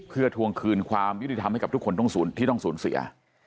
เพื่อทวงคืนความยุติธรรมให้กับทุกคนที่ต้องสูญเสีย